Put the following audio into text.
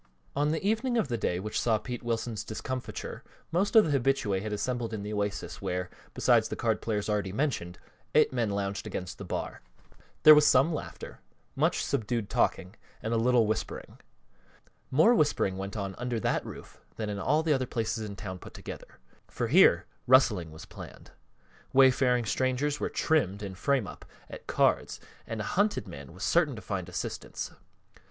On the evening of the day which saw Pete Wilson's discomfiture most of the habitués had assembled in the Oasis where, besides the card players already mentioned, eight men lounged against the bar. There was some laughter, much subdued talking, and a little whispering. More whispering went on under that roof than in all the other places in town put together; for here rustling was planned, wayfaring strangers were "trimmed" in "frame up" at cards, and a hunted man was certain to find assistance.